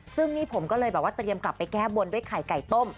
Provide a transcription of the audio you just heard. ซึ่งนี่ผมก็เลยแบบว่าเตรียมกลับไปแก้บนด้วยไข่ไก่ต้ม